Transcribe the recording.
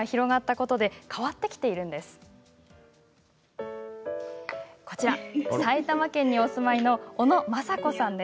こちら、埼玉県にお住まいの小野匡子さん。